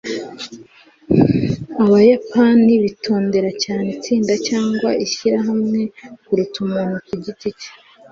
abayapani bitondera cyane itsinda cyangwa ishyirahamwe kuruta umuntu ku giti cye